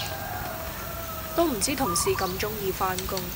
都唔知同事咁鍾意返工